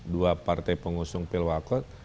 dua partai pengusung pil wakil